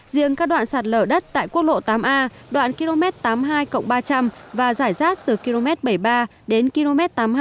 riêng các đoạn sạt lở đất tại quốc lộ tám a đoạn km tám mươi hai ba trăm linh và giải rác từ km bảy mươi ba đến km tám mươi hai